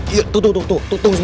iya tunggu tunggu